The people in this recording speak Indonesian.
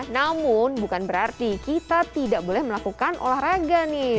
namun bukan berarti kita tidak boleh melakukan olahraga nih